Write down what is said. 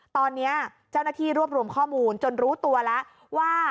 ตอนนี้เจ้าหน้าที่รวบรวมข้อมูลจนรู้ตัวแล้วว่า